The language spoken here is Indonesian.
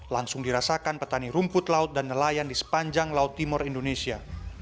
langsung dirasakan petani rumput laut dan nelayan di sepanjang laut timur indonesia